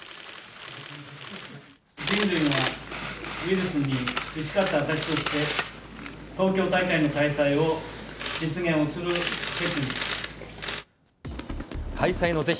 人類がウイルスに打ち勝った証しとして、東京大会の開催を実現をする決意。